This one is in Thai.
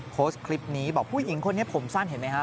โพสต์คลิปนี้บอกผู้หญิงคนนี้ผมสั้นเห็นไหมครับ